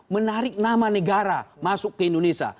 menarik nama negara masuk ke indonesia